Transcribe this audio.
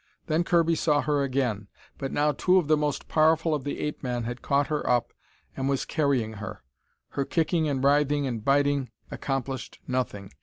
Then Kirby saw her again. But now two of the most powerful of the ape men had caught her up and was carrying her. Her kicking and writhing and biting accomplished nothing.